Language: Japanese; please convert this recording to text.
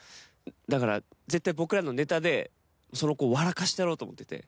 「だから絶対僕らのネタでその子を笑かしてやろうと思ってて」